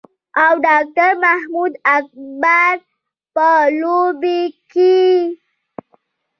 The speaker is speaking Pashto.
او ډاکټر محمد اکبر پۀ دوبۍ کښې